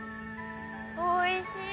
おいしい！